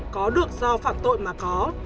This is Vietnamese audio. có được do phạm tội mà có